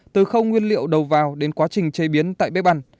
từ khâu nguyên liệu đầu vào đến quá trình chế biến tại bếp ăn